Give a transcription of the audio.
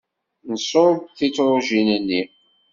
Nṣubb tiṭṛujin-nni.